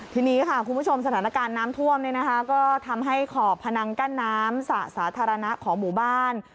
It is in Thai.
ทีนี้ค่ะคุณผู้ชมสถานการณ์น้ำท่วมก็ทำให้ขอบพนังกั้นน้ำสระสาธารณะของหมู่บ้าน